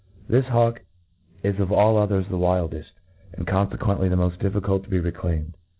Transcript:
THIS hawk is of all others the wildeft^ and confcquently the moft difficult to be re claimed.